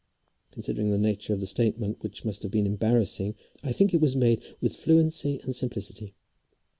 Considering the nature of the statement, which must have been embarrassing, I think that it was made with fluency and simplicity.